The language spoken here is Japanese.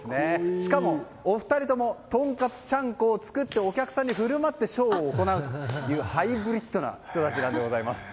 しかも、お二人ともとんかつ、ちゃんこを作ってお客さんに振る舞ってショーを行うというハイブリッドな人たちなんです。